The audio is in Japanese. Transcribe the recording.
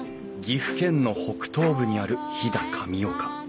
岐阜県の北東部にある飛騨神岡。